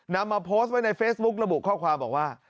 นำมาโพสต์ไว้ในเฟซบุ๊คระบุข้อความบอกว่า